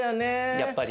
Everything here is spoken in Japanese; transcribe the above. やっぱり。